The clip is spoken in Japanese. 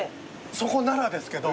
そこならですけど。